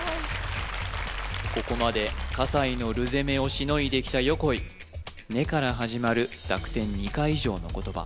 ここまで笠井の「る」攻めをしのいできた横井「ね」から始まる濁点２回以上の言葉